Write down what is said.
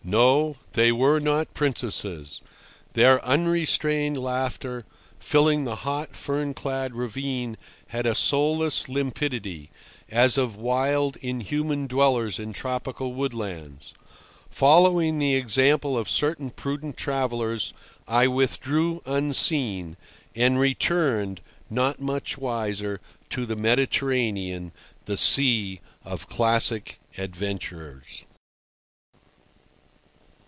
No, they were not princesses. Their unrestrained laughter filling the hot, fern clad ravine had a soulless limpidity, as of wild, inhuman dwellers in tropical woodlands. Following the example of certain prudent travellers, I withdrew unseen—and returned, not much wiser, to the Mediterranean, the sea of classic adventures.